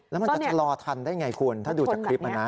แล้วมันจะชะลอทันได้ไงคุณถ้าดูจากคลิปนะ